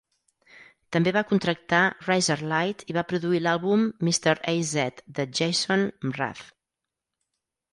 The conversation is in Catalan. També va contractar Razorlight i va produir l'àlbum "Mr. A-Z" de Jason Mraz.